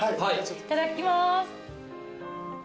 いただきます。